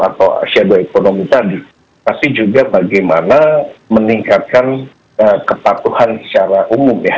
atau shadow ekonomi tadi pasti juga bagaimana meningkatkan ketatuhan secara umum ya